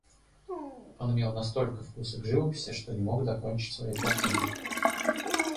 Он имел настолько вкуса к живописи, что не мог докончить своей картины.